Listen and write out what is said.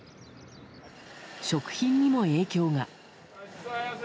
食品にも影響が。